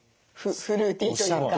フルーティーというか。